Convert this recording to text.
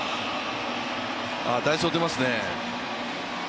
代走出ますね。